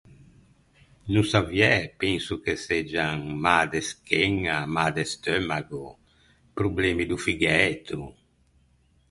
No saviæ, penso che seggian mâ de scheña, mâ de steumago, problemi do figæto...